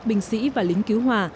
binh sĩ và lính cứu hòa